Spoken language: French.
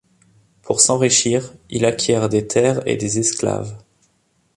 Pour s’enrichir, il acquiert des terres et des esclaves.